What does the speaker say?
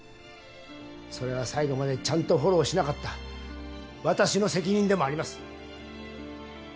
それは最後までちゃんとフォローしなかった私の責任でもあります。